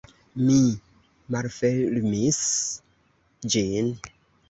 Mi malfermis ĝin.